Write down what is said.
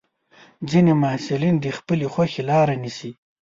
ځینې محصلین د خپلې خوښې لاره نیسي.